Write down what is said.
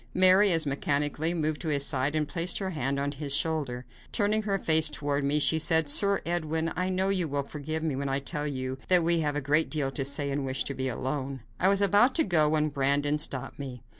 Mary, as mechanically, moved to his side and placed her hand on his shoulder. Turning her face toward me, she said: "Sir Edwin, I know you will forgive me when I tell you that we have a great deal to say and wish to be alone." I was about to go when Brandon stopped me.